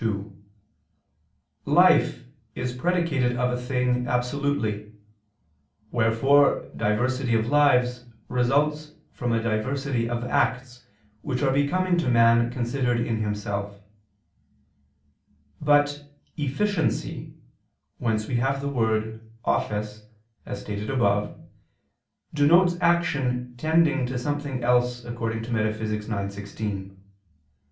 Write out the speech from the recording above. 2: Life is predicated of a thing absolutely: wherefore diversity of lives results from a diversity of acts which are becoming to man considered in himself. But efficiency, whence we have the word "office" (as stated above), denotes action tending to something else according to Metaph. ix, text. 16 [*Ed. Did. viii, 8].